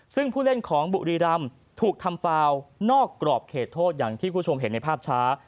ซึ่งผู้เล่นของบุรีรำถูกทำฟาวนอกกรอบเขตโทษอย่างที่คุณผู้ชมเห็นในภาพช้า